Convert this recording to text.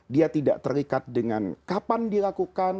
dia tidak terikat dengan kapan dilakukan